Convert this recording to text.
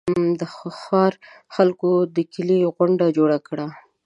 د ښار خلکو د کلي غونډه جوړه کړه.